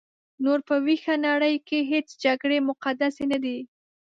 نور په ویښه نړۍ کې هیڅ جګړې مقدسې نه دي.